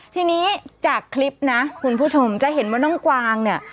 ทีนี้จากคลิปนะคุณผู้ชมจะเห็นว่าน้องกวางเนี่ย